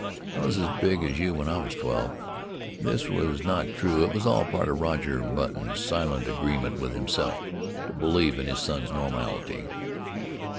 "I was as big as you when I was twelve." This was not true it was all part of Roger Button's silent agreement with himself to believe in his son's normality.